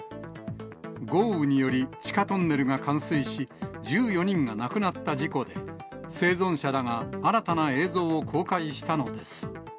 豪雨により、地下トンネルが冠水し、１４人が亡くなった事故で、生存者らが新たな映像を公開したのです。